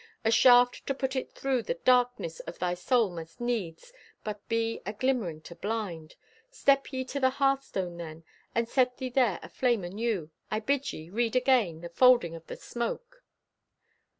A shaft to put it through The darkness of thy soul must needs But be a glimmering to blind. Step ye to the hearthstone then, And set thee there a flame anew. I bid ye read again The folding of the smoke.